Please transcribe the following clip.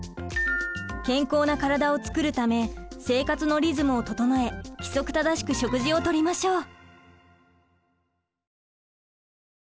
健康な体をつくるため生活のリズムを整え規則正しく食事をとりましょう。